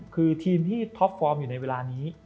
คือทีมที่ท็อปฟอร์มอยู่ในเวลานี้